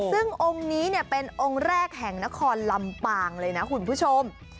ซึ่งองค์นี้เป็นองค์แรกแห่งนครลำปางเลยนะคุณผู้ชม